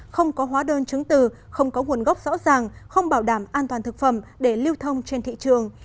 không có hóa đơn chứng từ không có nguồn gốc rõ ràng không bảo đảm an toàn thực phẩm để lưu thông trên thị trường